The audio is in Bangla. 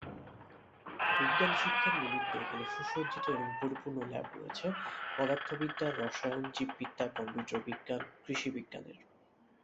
বিজ্ঞান শিক্ষার নিমিত্তে এখানে সুসজ্জিত এবং পরিপূর্ণ ল্যাব রয়েছে পদার্থ বিদ্যা, রসায়ন, জীব বিদ্যা, কম্পিউটার বিজ্ঞান, কৃষি বিজ্ঞানের।